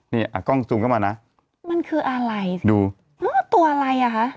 นี่อ่ะกล้องซูมเข้ามานะมันคืออะไรดูเออตัวอะไรอ่ะคะ